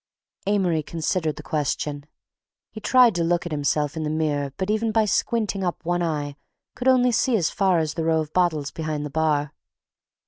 Amory considered the question. He tried to look at himself in the mirror but even by squinting up one eye could only see as far as the row of bottles behind the bar.